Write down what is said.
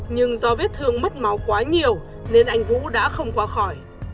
nhưng do vết thương mất máu quá nhiều nên anh vũ đã không qua khỏi